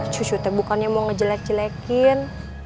cucu teh bukannya mau ngejelek jelekin